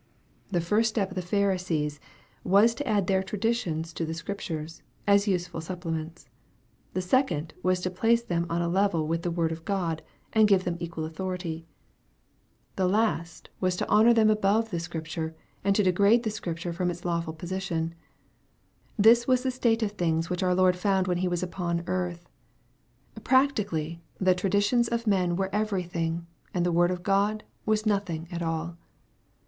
The first step of the Pharisees, was to add their traditions to the Scriptures, as useful supplements. The second was to place them on a level with the Word of God, and give them equal authority. Tl e last was 138 EXPOSITORY THOUGHTS. to honor them above the Scripture, and to degrade Scripture from its lawful position. This was the state of things which our Lord found when he was upon earth. Practically, the traditions of man weie everything, and the Word of God was nothing at all.